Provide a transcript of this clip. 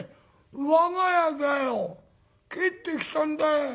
我が家だよ帰ってきたんだい。